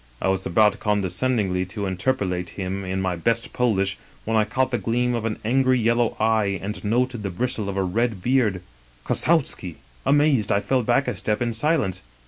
I was about con descendingly to interpellate him in my best Polish, when I caught the gleam of an angry yellow eye and noted the bristle of a red beard — Kossowski !" Amazed, I fell back a step in silence.